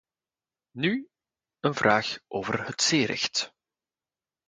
Nu een vraag over het zeerecht.